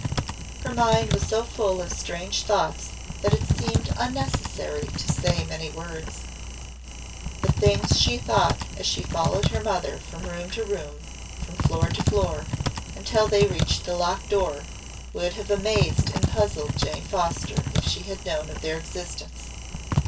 Her mind was so full of strange thoughts that it seemed unnecessary to say many words. The things she thought as she followed her from room to room, from floor to floor, until they reached the locked door, would have amazed and puzzled Jane Foster if she had known of their existence.